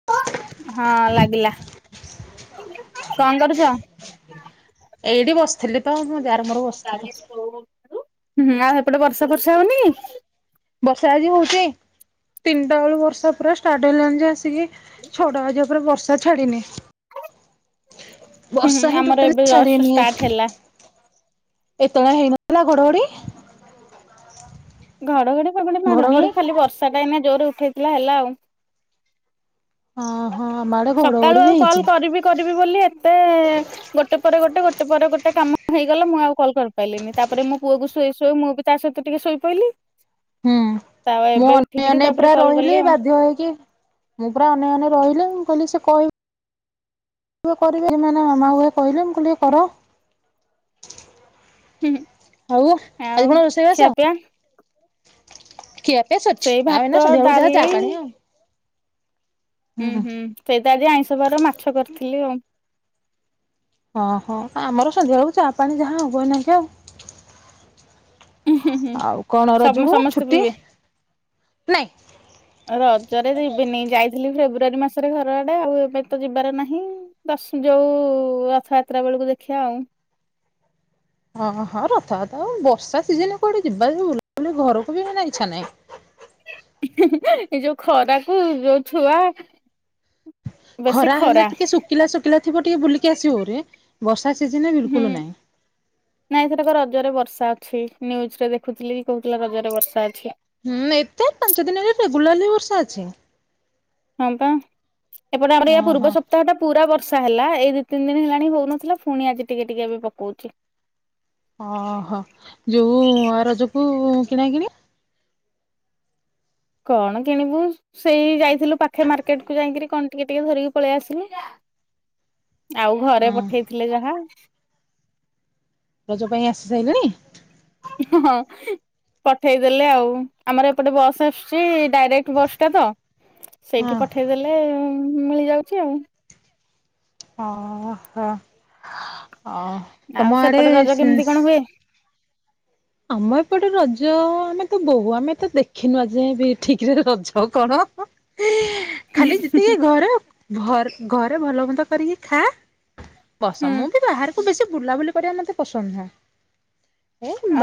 [inaudible] ହଁ ଲାଗିଲା। କଣ କରୁଛ? ଏଇଠି ବସିଥିଲି। ତ ମୋ ଯାର ମୋର ବସିଥିଲୁ। ନା ସେପଟେ ବର୍ଷା ଫର୍ଷା ହଉନି। ବର୍ଷା ଆଜି ହଉଚି। ତିନିଟା ବେଳୁ ବର୍ଷା ପୁରା ଷ୍ଟାର୍ଟ ହେଇଲାଣି ଯେ ଆସିକି ଛଅଟା ବାଜିବ ପୁରା ବର୍ଷା ଛାଡିିନି। ହୁଁ ହୁଁ ବର୍ଷା ହିଁ ଆମର ଟୋଟଲି ଏବେ ଜଷ୍ଟ ଛାଡ଼ନି ଆ। ଷ୍ଟାର୍ଟ ହେଲା ଏତେବେଳେ ହେଇନଥିଲା ଘଡଘଡି। ଘଡଘଡି ଫଡଘଡି ମାରିନି ଘଡଘଡି ଖାଲି ବର୍ଷାଟା ଏଇନା ଜୋରେ ଉଠେଇଥିଲା ହେଲା ଆଉ। ଆମ ଆଡେ ସକାଳୁ ଘଡଘଡି ଆଉ ବି କଲ୍ ହେଇଛି। କରିବି କରିବି ବୋଲି ଏତେ ଗୋଟେ ପରେ ଗୋଟେ ଗୋଟେ ପରେ ଗୋଟେ କାମ ହେଇଗଲା। ମୁଁ ଆଉ କଲ୍ କରିପାଇଲିିନି। ତା ପରେ ମୋ ପୁଅକୁ ଶୁଆଇ ଶୁଆଉ ମୁଁ ବି ତା ସହିତ ଟିକେ ଶୋଇ ପଇଲି। ହୁଁ। ମୁଁ ଅନେଇ ଅନେଇ ପୁରା କଲ୍ କଲି ରହିଲି, ଆଉ ବାଧ୍ୟ ହେଇକି ମୁଁ ପୁରା ଅନେଇ ଅନେଇ ରହିଲେ। ମୁଁ କହିଲି ସେ କହି କରିବେ [unintelligible] କହିଲେ ମୁ କହିଲି ଟିକେ କର। ହଉ ଆଉ କଣ ରୋଷେଇ ବାସ। ଖିଆ ସବୁ ସରିଛି ସେଇ ଆଉ ଏଇନା ଭାତ ସନ୍ଧ୍ୟା ବେଳକୁ ଯାହା ଚା ଡାଲି ପାଣି ଆଉ। ଉୁଁ ହୁଁ। ସେଇତ ଆଜି ଆଇଁଷ ବାର ମାଛ କରିଥିଲେ ଆଉ। ଓହୋ ଆମର ସନ୍ଧ୍ୟା ବେଳକୁ ଚା ପାଣି ଯାହା ହବ ଏଇନାଁକେ ଆଉ। ଉଁ ହୁଁ ହୁଁ। ଆଉ କଣ ସମ ରଜକୁ ସମସ୍ତେ ଛୁଟି? ପିଇବେ। ଆଉ ରଜରେ ଯିବିନି। ଯାଇଥିଲି ଫେବୃଆାରୀ ମାସରେ ଘର ଆଡେ। ଆଉ ଏବେ ତ ଯିବାର ନାହିଁ। ଦଶ୍ ଯୋଉ ରଥଯାତ୍ରା ବେଳକୁ ଦେଖିବା ଆଉ। ଓ ହଁ ରଥାଯାତ୍ରା ବେଳକୁ ବର୍ଷା ସିଜିନ୍ କୋଉଠି ଯିବା କି ବୁଲା ବୁଲି ଘରକୁ ବି ମାନେ ଇଚ୍ଛା ନାହିଁ। ଏଇ ଯୋଉ ଖରାକୁ ଯୋଉ ଛୁଆ। ଖରା ହେଲେ ଟିକେ ଶୁଖିଲା ଶୁଖିଲା ଥିବ ଟିକେ ବୁଲିକି ଆସିବରେ। ବର୍ଷା ସିଜିନରେ ହୁଁ। ବିଲକୁଲ୍ ନାହିଁ। ନାଇଁ ସେଟା ବା ରଜରେ ବର୍ଷା ଅଛି। ନ୍ୟୁଜରେ ଦେଖୁଥିଲି କହୁଥିଲା ରଜରେ ବର୍ଷା ଅଛି। ହୁଁ ଏଇତ ପାଞ୍ଚ ଦିନରେ ରେଗୁଲାରଲି ବର୍ଷା ଅଛି। ହଁ ବା। ଏପଟେ ଆମର ଏଆ ହଁ ହଁ ପୂର୍ବ ସପ୍ତାହଟା ପୁରା ବର୍ ବର୍ଷା ହେଲା। ଏଇ ଦିଇ ତିନ ଦିନ ହେଲାଣି ହଉନଥିଲା ପୁଣି ଆଜି ଟିକେ ଟିକେ ଏବେ ପକଉଛି। ଓହୋ ଯୋଉ ରଜକୁ କିଣା କିଣି? କଣ କିଣିବୁ? ସେଇ ଯାଇଥିଲୁ ପାଖେ ମାର୍କେଟକୁ ଯାଇକିରି କଣ ଟିକେ ଟିକେ ଧରିକି ପଳେଇ ଆସିଲି। ଆଉ ଘରେ ହଁ ପଠେଇଥିଲେ ଯାହା। ରଜ ପାଇଁ ଆସି ସାଇଲେଣି। ହଁ ପଠେଇଦେଲେ ଆଉ। ଆମର ଏପଟେ ବସ୍ ସି ଡାଇରେକ୍ଟ ବସ୍ ଟା ତ ହଁ ସେଇଠି ପଠେଇଦେଲେ ମିଳିଯାଉଛି ଆଉ। ଅହୋ ଅ ଆଉ ତମ ଆଡ ସେପଟେ ରଜ ସେ କେମିତି କଣ ହୁଏ? ଆମ ଏପଟେ ରଜ ଆମେ ତ ବୋହୁ ଆମେ ତ ଦେଖିନୁ ଆଜି ଯାଏ ବି ଠିକରେ ରଜ କଣ। ଖାଲି ଯେତିକି ଘର ଘରେ ଘରେ ଭଲ ମନ୍ଦ କରିକି ଖା। ଅବଶ୍ୟ ହୁଁ ମୁଁ ବି ବାହାରକୁ ବେଶୀ ବୁଲାବୁଲି କରିବା ମତେ ପସନ୍ଦ ନୁହଁ।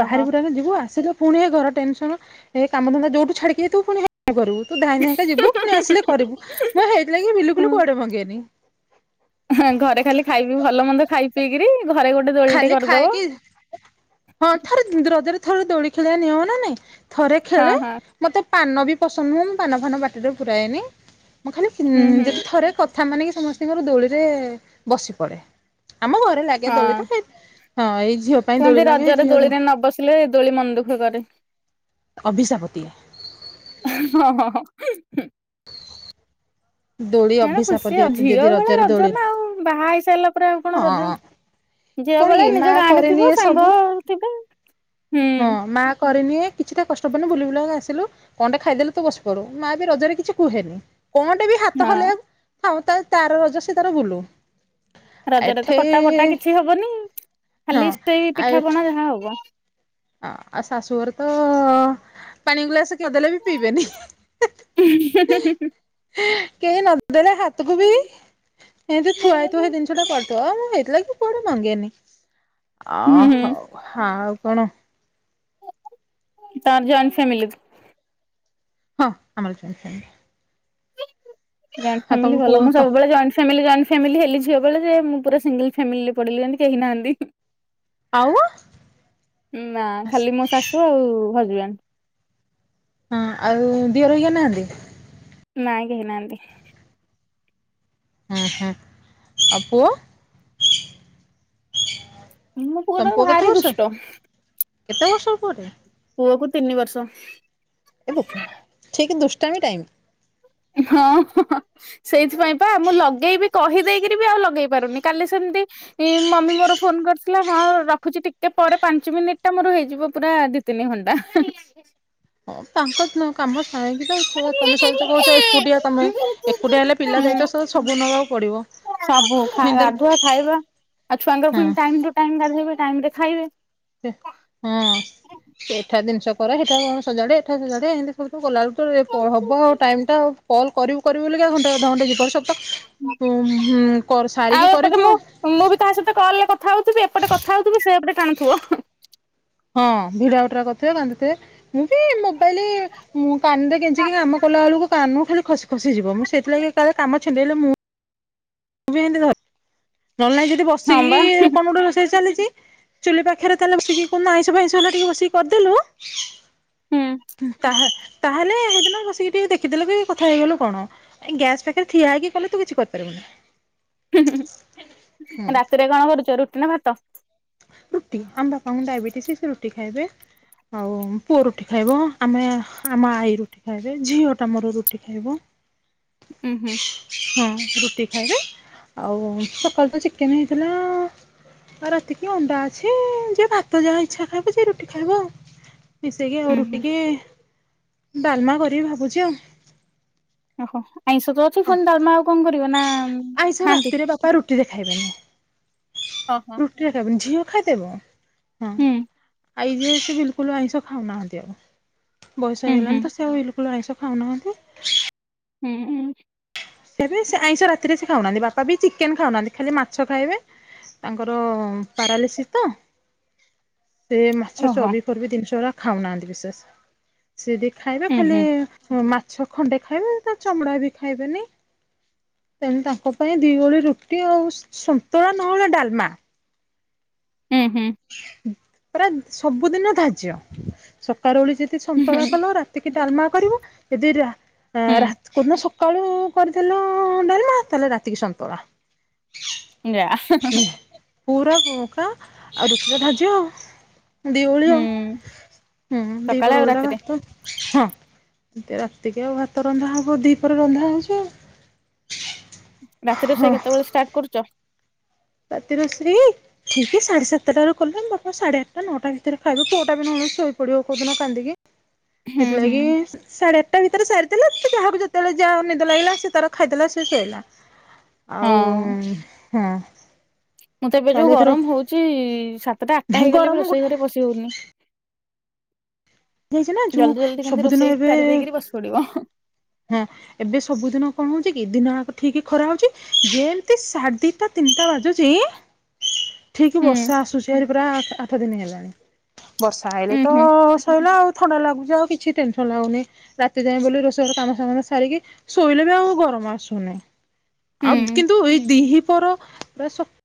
ଓହୋ। ଯିବୁ ଆସିଲେ ପୁଣି ଘର ଟେନସନ ଏ କାମଧନ୍ଦା ଯୋଉଠୁ ଛାଡିକି ପୁଣି କଣ କରିବୁ ତୁ ଧାଇଁ ଧାଇଁଙ୍କା ଯିବୁ ପୁଣି ଆସିଲେ କରିବୁ, ମୁଁ ହେଇଥିଲାଗି ବିଲକୁଲ କୁଆଡେ ମଙ୍ଗେନି। [inaudible] ହଁ ଘରେ ଖାଇବି, ଭଲ ମନ୍ଦ ଖାଇ ପିଇକିରି ଘରେ ଗୋଟେ [unintelligible] ଖାଲି ଖାଇକି ହଁ ଥରେ ରଜରେ ଥରେ ଦୋଳି ଖେଳିବା ନିୟମ ନା ନାଇଁ ଥରେ ହଁ ଖେଳେ ହଁ ମତେ ପାନ ବି ପସନ୍ଦ ନୁହଁ, ମୁଁ ପାନ ଫାନ ପାଟିରେ ପୁରାଏନି। ମଁ ଖାଲି ହୁଁ ହୁଁ ଯଦି ଥରେ କଥା ମାନିକି ସମସ୍ତଙ୍କର ଦୋଳିରେ ବସି ପଡେ। ଆମ ଘରେ ଲାଗେ ଦୋଳି ତ ହଁ ସେ, ହଁ ଏଇ ଝିଅ ପାଇଁ ଦୋଳି କୁହନ୍ତି ଲାଗେ ରଜରେ ଝିଅ ଦୋଳିରେ ନ ବସିଲେ ଦୋଳି ମନ ଦୁଃଖ କରେ। ଅଭିଶାପ ଦିଏ। ହଁ ଦୋଳି ଏଣ ଅଭିଶାପ ଖୁସି ଦିଏ ଆଉ ଝିଅ ଯଦି ବେଳେ ରଜରେ ରଜ ଦୋଳି ନା ଆଉ ବାହା ହେଇସାରିଲା ପରେ ଆଉ କଣ ରଜ? ହଁ ଝିଅ କଣ କି ବେଳେ ମା ନିଜ ଗାଁ ରେ କରେନି ଏ ଥିବ ସାଙ୍ଗ ସବୁ ଥିବେ ହୁଁ ହଁ ମାଁ କରିନିଏ କିଛିଟା କଷ୍ଟ ଫଷ୍ଟ ବୁଲି ବୁଲା କରି ଆସିଲୁ, କଣ ଟିକେ ଖାଇଦେଲୁ ତ ବସି ପଡୁ, ମାଁ ବି ରଜରେ କିଛି କୁହେନି। କଣଟେ ବି ହାତ ହଁ ହଲେଇବ ଥାଉ ତାର ତାର ରଜ ସେ ତାର ବୁଲୁ। ରଜରେ ତ କଟା ବଟା ଏଠେଇ କିଛି ହବନି, ହଁ ଖାଲି ସେଇ ପିଠାପଣା ଯାହା ହବ। ଅ ଆଉ ଶାଶୁଘର ତ ପାଣି ଗୁଲାସ କରିଦେଲେ ବି ପିଇବେନି। [unintelligible] କେହି ନଦେଲେ ହାତକୁ ବି ଏମତି ଥୁଆ ହେଇଥିବ ସେ ଜିନିଷ ଯଉଟା କରିଥିବ ମୁଁ ହେଇଥିଲାଗି କୁଆଡେ ମଙ୍ଗେନି ଅହ। ହୁଁ ହଁ, ଆଉ କଣ? ତାର ଜଏଣ୍ଟ ଫ୍ୟାମିଲି। ହଁ ଆମର ଜଏଣ୍ଟ ଫ୍ୟାମିଲୀ। ଜଏଣ୍ଟ ଫେମିଲି ତମ ପୁଅ ଭଲ ମୁଁ ତ ସବୁବେଳେ, ଜଏଣ୍ଟ। ଫାମିଲ ଜଏଣ୍ଟ ଫାମିଲ ହେଲି ଝିଅ ବେଳେ ଯେ ମୁଁ ପୁରା ସିଙ୍ଗଲ ଫାମିଲି ପଡ଼ିଲି କେହିନାହାନ୍ତି। ଆଉ ହଁ ନା ଖାଲି ମୋ ଶାଶୁ ଆଉ ହଜବେଣ୍ଡ। ହଁ, ଆଉ ଦିଅର କେହି ନାହାନ୍ତି? ନାଇଁ କେହି ନାହାନ୍ତି? ହଁ ହଁ ଆଉ ପୁଅ? ମୋ ପୁଅଟା ତମ ପୁଅ କେତେ ଭାରି ବର୍ଷ? ଦୁଷ୍ଟ କେତେ ବର୍ଷର ପୁଅ? ପୁଅକୁ ତିନି ବର୍ଷ ଏ ଠିକ୍ ଦୁଷ୍ଟାମୀ ଟାଇମ। ହଁ ସେଇଥିପାଇଁ ପା ମୁଁ ଲଗେଇବି କହିଦେଇକିରି ବି ଆଉ ଲଗେଇପାରୁନି କାଲି ସେମିତି ମମି ମୋର ଫୋନ କରିଥିଲା ହଁ ରଖୁଛି ଟିକେ ପରେ ପାଞ୍ଚ ମିନିଟଟା ମୋର ହେଇଯିବ ପୁରା ତିନି ଘଣ୍ଟା। ହଁ ତାଙ୍କ କାମ ଥାଉକି ତ ତମେ ସବୁ କହୁଛ ଏକୁଟିଆ ତମେ ହୁଁ ଏକୁଟିଆ ହେଲେ ପିଲା ଦାୟିତ୍ୱ ସବୁ ନେବାକୁ ପଡିବ। ସବୁ ଖା ଗାଧୁଆ ଖାଇବା ଆଉ ଛୁଆଙ୍କ ପୁଣି ଟାଇମ ଟୁ ଟାଇମ ଗଧେଇବେ ଟାଇମ ରେ ଖାଇବେ। ସେ ହଁ ଏଠା ଜିନିଷ କର ହେଟା କଣ ସଜାଡ ଏଠା ସଜାଡେ ଏମିତି ସବୁଠୁ ଗୋଲାବେଳକୁ ହେବ ଆଉ ଟାଇମ୍ ଟା ଆଉ କଲ କରିବୁ କରିବୁ ବୋଲି ଘଣ୍ଟା ଅଧେ ଘଣ୍ଟା ଯିବହେରୀ ସ ତ ହୁଁ ହୁଁ କ ଆଉ ସାରିକି ଏପଟେ କରିବୁ। ମୁଁ ମୁଁ ବି ତା ସହିତ କଲ ରେ କଥା ହଉଥିବି ଏପଟେ କଥା ହଉଥିବି ସେପଟେ ଟାଣୁଥିବ। ହଁ ଭିଡା ଉଟୁରା କରୁଥିବେ କାନ୍ଦୁ ଥିବେ ମୁଁ ବି ମୋବାଇଲି ମୁଁ କାନରେ କେଞ୍ଚିକି କାମ କଲାବେଳକୁ କାନ ଖାଲି ଖସିି ଖସିଯିବ ମୁଁ ସେଥିଲାଗି କାଳେ କାମ ଛଣ୍ଡେଇଲେ ମୁଁ ତୁ କିନ୍ତୀ ଘର ନହେଲେ ନାଇଁ ଯଦି ହଁ ବସିକି ବା କଣ ଗୋଟେ ରୋଷେଇ ଚାଲିଛି। ଚୁଲି ପାଖରେ ତାହେଲେ ବସିକି କୁଦିନ ଆଇଁଷ ଫାଇଁଷ ହେଲେ ଟିକେ ବସିକି କରିଦେଲୁ ହୁଁ ତାହା ତାହେଲେ ସେଦିନ ବସିକି ଟିକେ ଦେଖିଦେଲେ କି କଥା ହେଇଗଲ କଣ? ଗ୍ୟାସ ପାଖରେ ଠିଆ ହେଇକି କଲେ ତୁ କିଛି କରିପାରିବୁନି। ହୁଁ ହୁଁ ହୁଁ ରାତିରେ କଣ କରୁଛ ରୁଟି ନା ଭାତ? ରୁଟି ଆମ ବାପାଙ୍କୁ ଡାଇବେଟିସ୍ ସେ ରୁଟି ଖାଇବେ। ଆଉ ପୁଅ ରୁଟି ଖାଇବ ଆମେ ଆମ ଆଈ ରୁଟି ଖାଇବେ ଝିଅଟା ମୋର ରୁଟି ଖାଇବ। ଉୁଁ ହୁଁ ହ [unintelligible] ହଁ ରୁଟି ଖାଇବେ ଆଉ ସକାଳୁ ତ ଚିକେନ୍ ହେଇଥିଲା ଆଉ ରା ରାତିକି ଅଣ୍ଡା ଅଛି ଯିଏ ଭାତ ଯାହା ଇଚ୍ଛା ଖାଇବ ଯେ ରୁଟି ଖାଇବ ଆଉ। ମିଶେଇକି ଆଉ ହୁଁ ହୁଁ ରୁଟିକି ଡାଲମା କରିବି ଭାବୁଚି ଆଉ। ଓହୋ ଆଇଁଷ ତ ଅଛି ହଁ ପୁଣି ତାଲମା ଆଉ କଣ କରିବ ନା ଆଇଁଷ ଖାଆନ୍ତି ରାତିରେ ବାପା ରୁଟି ରେ ଖାଇବେନି। ହଁ ହଁ। ରୁଟି ଖାଇବେନି ଝିଅ ଖାଇଦବ ହଁ। ଆଇ ଯେ ସସିଏ ବିଲକୁଲ ଆଇଁଷ ଖାଉନାହାନ୍ତି ଆଉ। ବୟସ ହେଇଗଲାଣିି ତ ସେ ଆଉ ବିଲକୁଲ ଆଇଁସ ଖାଉ ନହାନ୍ତି। ହୁଁ ହୁଁ। ସେବି ସେ ଆଇଁଷ ରାତିରେ ସେ ଖାଉନାହାନ୍ତି ବାପା ବି ଚିକେନ୍ ଖାଉନାହାନ୍ତି ଖାଲି ମାଛ ଖାଇବେ। ତାଙ୍କର ପାରାଲିସିସ୍ ତ। ସେ ମାଛ ଚର୍ବି ଫର୍ବି ଜିନିଷ ଗୁଡ଼ା ଖାଉନାହାଁନ୍ତି ବିଶେଷ ସେ ଯଦି ଖାଇବେ ଖାଲି ମାଛ ଖଣ୍ଡେ ଖାଇବେ ତା ଚମଡ଼ା ବି ଖାଇବେନି। ତେଣୁ ତାଙ୍କ ପାଇଁ ଦି ଓଳି ରୁଟି ଆଉ ସନ୍ତୁଳା ନହେଳା ଡାଲମା। ହୁଁ ହୁଁ। ପୂରା ସବୁଦିନ ଧାର୍ଯ୍ୟ ସକାଳ ଓଳି ଯଦି ସନ୍ତୁଳା କଲ ରାତି କି ଡାଲମା କରିବ ଯଦି ରା ରା କୋଉଦିନ ସକାଳୁ କରିଦେଲ ଡାଲମା ତାହେଲେ ରାତିକି ସନ୍ତୁଳା। ଯା [unintelligible] ପୁରା ବୁକା ଆଉ ରୁଟି ଟା ଧାର୍ଯ୍ଯ ଆଉ। ହୁଁ, ଦିଓଳିଆଉ ହୁଁ ସକାଳେ ଦିହିପହର ଆଉ ଓଳିଟା ରାତିରେ ଭାତ। ହଁ ରାତିକି ଆଉ ଭାତ ରନ୍ଧା ହବ ଦିହିପହରେ ରନ୍ଧା ହଉଚି ଆଉ। ରାତି ରୋଷେଇ ହଁ। କେତବେଳେ ଷ୍ଟାର୍ଟ କରୁଚ? ରାତି ରୋଷେଇ? ଠିକ ସାଢେ ସାତଟା ରୁ କଲେ ବାପା ସାଢେ ଆଠଅଟା ନଅଟା ଭିତରେ ଖାଇବୁ ପୁଅଟା ବି ନ ଖାଇ ଶୋଇ ପିଡିବ କୋଉଦିନ କାନ୍ଦିକି। ହୁଁ, ହୁଁ, ସେଥିଲାଗି ସାଢ଼େ ଆଠଟା ଭିତରେ ସାରି ଦେଲେ। ଯାହାକୁ ଯେତେବେଳେ ଯାହା ନିଦ ଲାଗିଲା ସେ ତାର ଖାଇଦେଲା ସେ ଶୋଇଲା। ଆଉ ହଁ, ହଁ। ମତେ ଏବେ ଯୋଉ ତାହେଲେ ଏଥର ଗରମ ହଉଚି ସାତଟା ଆଠଟା ହେଇଗଲେ ବି ଗରମ ରୋଷେଇ ଗୋଟେ ଘରେ ପସିି- ହଉନି ହେଇଛି ନା ଯୋଉ ଜଲଦି ଜଲଦି କେମତି ସବୁଦିନ ରୋଷେଇ ଏବେ ସାରି ଦେଇକିରି ବସ୍ ପଡ଼ିବ। ହଁ। ଏବେ ସବୁ ଦିନ କଣ ହଉଚି କି ଦିନ ଆକ ଠିକି ଖରା ହଉଚି ଯେମିତି ସାଢେ ଦିଟା ତିନିଟା ବାଜୁଚି- ଠିକ ହୁଁ, ବର୍ଷା ଆସୁଚି ହାରି ପୁରା ଆଠ ଦିନି ହେଲାଣି। ବର୍ଷା ଆଇଲେ ଉଁ ତ ହୁଁ, ସଇଲା ବର୍ଷା ହେଲା ଆଉ ଥଣ୍ଡା ଲାଗୁଚି ଆଉ କିଛି ଟେନସନ ଲାଗୁନି ରାତି ଯାଏଁ ବୋଲି ରୋଷେ କାମ [unintelligible] ସାରିକି ଶୋଇଲେ ବି ଆଉ ଗରମ ଆସୁନି। ହୁଁ, ଆଉ ହୁଁ, କିନ୍ତୁ ଏଇ ଦିହିପର ପୁରା ସ -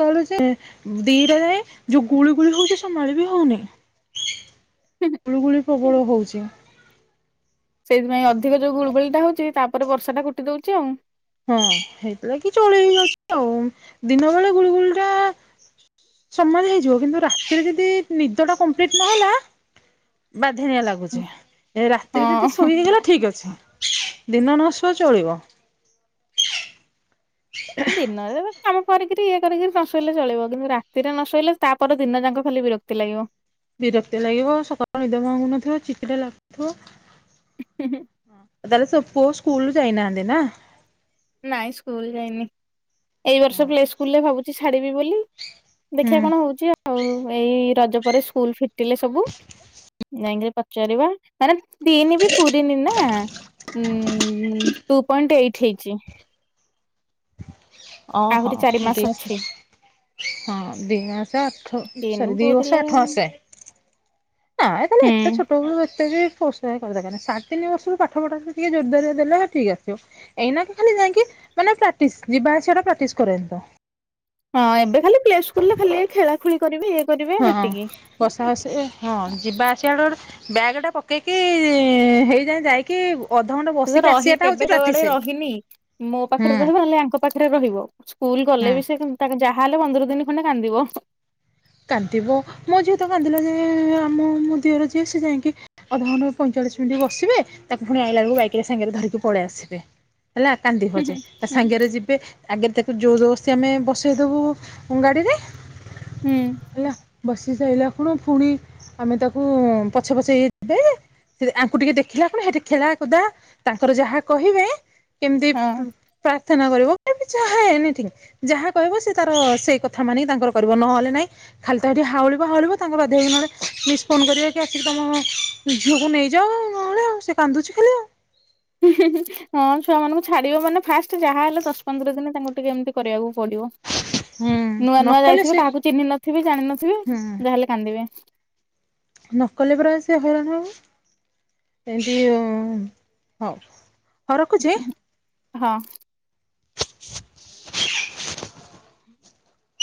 କାଳୁ ଯେ ଦିଇଟା ଯାଏ ଯୋଉ ଗୁଳି ଗୁଳି ହଉଚି ସମାଳି ବିି ହଉନି। ହୁଁ। ଗୁଳୁଗୁଳି ପ୍ରବଳ ହଉଚି। ସେଇଥିପାଇଁ ଅଧିକ ଯୋଉ ଗୁଳୁଗୁଳିଟା ହଉଚି ତାପରେ ବର୍ଷାଟା କୁଟି ଦଉଚି ଆଉ। ହଁ ହେଇଥି ଲାଗି ଚଳେ [inaudible] ଆଉ ଦିନ ବେଳେ ଗୁଳିୁଗୁଳି ଟା ସମାଳି ହେଇଯିବ କିନ୍ତୁ ରାତିରେ ଯଦି ନିଦ ଟା କମ୍ପ୍ଲିଟ ନହେଲା ବାଧିଣିଆ ଲା ଗୁଚି ଏ ରାତିରେ ଯଦି ହଁ ଶୋଇ ହେଇଗଲା ଠିକ୍ ଅଛି ଦିନ ନ ଶୁଅ ଚଳିବ। ଆଛା। ଦିନରେ ବା କାମ କରିକିରି ଇଏ କରିକରି ନସୋଇଲେ ଚଳିବ କିନ୍ତୁ ରାତିରେ ନସୋଇଲେ ତାପରେ ଦିନ ଯାଙ୍କ ଖାଲି ବିର କ୍ତି ଲାଗିବ। ବିରକ୍ତିଆ ଲାଗିବ ସକାଳୁ ନିଦ ଭାଙ୍ଗୁନଥିବ ଚିିକିଟା, ଲା [inaudible] ଥୁବ। ତାହେଲେ ସ ପୁଅ ସ୍କୁଲ ଯାଇନାହାଁନ୍ତିନା। ନାଇଁ ସ୍କୁଲ ଯାଇନି ଏଇ ବର୍ଷ ପ୍ଲେ ହୁଁ। ସ୍କୁଲରେ ଭାବୁଚି ଛାଡିବି ବୋଲି। ଦେଖିଆ କଣ ହଉଚି ଆଉ ଏଇ ରଜ ପରେ ସ୍କୁଲ ଫି ତି ଲେ ସବୁ ଯାଇଁକିରି ପଚ଼ାରିବା। ମାନେ ତିନି ବି ପୁରୀନି ନା ଉଁ ଟୁ ପଏଣ୍ଟ ଏଇଟ୍ ହେଇଚି। ଓହୋ ଆହୁରି ଚାରି ମାସ ଅଛି। ହଁ ଦି ମାସ ତିନି ସରି ଦି ବର୍ଷ ପୁରିଲେ ଆଠମାସେ। ନାଁ ତାହେଲେ ଏତେ ହୁଁ। ଛୋଟ ବେଳୁ ଏତେ ବି ଫୋ [unintelligible] ସାଢେ ତିନିବର୍ଷ ରୁ ପାଠପଢା ଟିକେ ଜୋରଦାରିଆ ଦେଲେ ଠିକ୍ ଆସିବ। ଏଇନାକେ ଖାଲି ଯାଇଁକି ମାନେ ପ୍ରାକ୍ଟିସ ଯିବା ଆସିବା ପ୍ରାକ୍ଟିସ କରେନ୍ତ। ହଁ ଏବେ ଖାଲି ପ୍ଲେ ସ୍କୁଲ ରେ ଖାଲି ଏଇ ଖେଳା ଖୁଳି କରିବି ଇଏ କରିବେ ହଁ ହେତିକି। ବସା ବସି ହଁ ଯିବା ଆସିବାଟା ଗୋଟେ ବ୍ୟାଗ ଟା ପକେଇକି ହେଇଁଯାଏ ଯାଇକି ବୁ ରହି କେବେ କେଉ ଆଡେ ରହିନି ମୋ ପାଖେରେ ହୁଁ। ରହିବ ନ ହେଲେ ୟାଙ୍କ ପାଖରେ ରହିବ ସ୍କୁଲ ଗଲେ ହୁଁ ବି ସେ ତାଙ୍କ ଯାହାହେଲେ ପନ୍ଦର ଦିନି ଖଣ୍ଡେ କାନ୍ଦିବ। କାନ୍ଦିବ ମୋ ଝିଅ ତ କାନ୍ଦିଲା ଯେ ଆମ ମୋ ଦିଅର ଝିଅ ସେ ଯାଇଁକି ଅଧଘଣ୍ଟ ପଇଁଚାଳିଶି ମିନିଟ୍ ବସିବେ ତାକୁ ପୁଣି ଆଇଲା ବୁଳୁକୁ ବାଇକ ରେ ସାଙ୍ଗରେ ଧରିକି ପଳେଇ ଆସିବେ। ହେଲା କାନ୍ଦିବ ହୁଁ ଯେ ତା ହୁଁ ସାଙ୍ଗରେ ଯି ଆଗେ ତାକୁ ଜୋର ଜବସ୍ତି ଆମେ ବସେଇ ଦେବୁ ଉଁ ଗାଡ଼ିରେ। ହୁଁ। ହେଲା ବସି ସାଇଲା ଖୁଣୁ ପୁଣି ଆମେ ତାକୁ ପଛେ ପଛେ ଏତେ ସେ ଆଙ୍କୁ ଟିକେ ଦେଖିଲା ଖୁଣୁ ହେଠି ଖେଳା କୁଦା ତାଙ୍କର ଯାହା କହିବେ କେମିତି ହଁ ପ୍ରାର୍ଥନା କରିବ [inaudible] ଯାହା ଏନିଥିଙ୍ଗ ଯାହା କହିବ ସେ ତାର ସେଇ କଥା ମାନି ତାଙ୍କର କହିବ ନହଲେ ନାଇଁ ଖାଲି ତ ଟିକି ହାଉଉଳିବ ହାଉଉଳିବ ତାଙ୍କ ବାଧ୍ୟ ହେଇକି ନହେଲେ ମିସ୍ ଫୋନ୍ କରିବା କି ଆସିକି ତମ ଝିଅକୁ ନେଇଯାଅ ନହେଲେ ଆଉ ସେ କାନ୍ଦୁଚି ଖାଲି ଆଉ। ହଁ ଛୁଆ ମାନଙ୍କୁ ଛାଡିବ ମାନେ ଫାଷ୍ଟ ଯାହା ହେଲେ ଦଶ ପନ୍ଦର ଦିନ ତାଙ୍କୁ ଟିକେ ଏମିତି କରିବାକୁ ପଡିବ। ହୁଁ ନୂଆ ନୂଆ ନକଲେ ଯାଇଥିବେ ସେ କାହାକୁ ଚିହ୍ନି ନଥିବେ ଜାଣିିନଥିବେ ହୁଁ ଯାହାହେଲେ କାନ୍ଦିବେ। ନକଲେ ପରା ସେ ହଇରାଣ ହବ। ଏମତି ହଉ ହଉ ରଖୁଚି। ହଁ।